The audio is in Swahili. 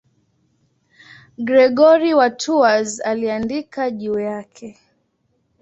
Gregori wa Tours aliandika juu yake.